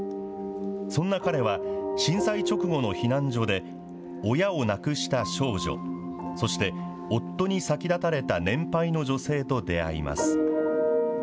そんな彼は、震災直後の避難所で、親を亡くした少女、そして夫に先立たれた年配の女性と出会います。